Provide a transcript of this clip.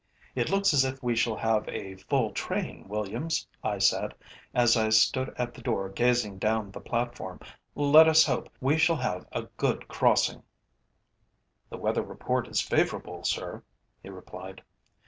"It looks as if we shall have a full train, Williams," I said, as I stood at the door gazing down the platform. "Let us hope we shall have a good crossing!" "The weather report is favourable, sir," he replied.